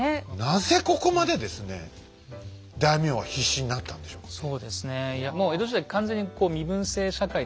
なぜここまでですね大名は必死になったんでしょうかね。